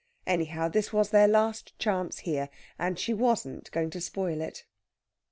Anyhow, this was their last chance here, and she wasn't going to spoil it.